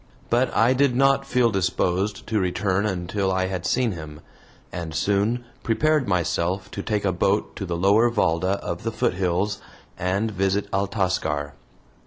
But I did not feel disposed to return until I had seen him, and soon prepared myself to take a boat to the lower VALDA of the foothills, and visit Altascar.